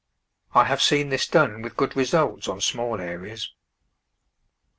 I have seen this done with good results on small areas.